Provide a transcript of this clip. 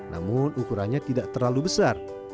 namun ukurannya tidak terlalu besar